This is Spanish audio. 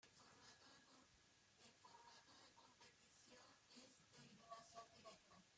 El formato de competición es de eliminación directa.